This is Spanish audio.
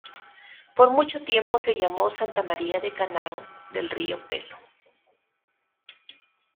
Por mucho tiempo se llamó Santa María de Canaán del Río Pelo.